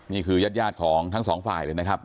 นี่คือยาดของทั้งสองฝ่ายเลยนะฮะ